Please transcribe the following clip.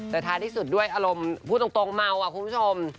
แต่ท้ายที่สุดด้วยอารมณ์พูดตรงเมาอ่ะคุณผู้ชม